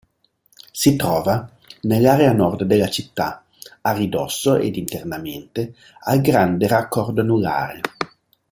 Si trova nell'area nord della città, a ridosso ed internamente al Grande Raccordo Anulare.